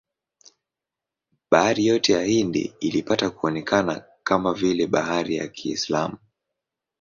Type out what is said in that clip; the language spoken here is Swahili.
Bahari yote ya Hindi ilipata kuonekana kama vile bahari ya Kiislamu.